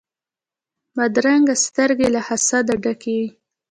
بدرنګه سترګې له حسده ډکې وي